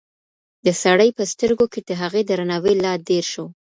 د سړي په سترګو کې د هغې درناوی لا ډېر شو.